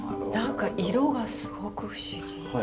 何か色がすごく不思議。